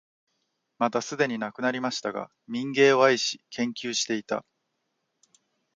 またすでに亡くなりましたが、民藝を愛し、研究していた、